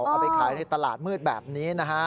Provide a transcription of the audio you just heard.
เอาไปขายในตลาดมืดแบบนี้นะฮะ